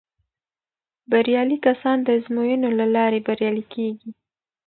بریالي کسان د ازموینو له لارې بریالي کیږي.